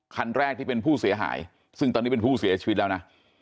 คันแรกที่เป็นผู้เสียหายซึ่งตอนนี้เป็นผู้เสียชีวิตแล้วนะ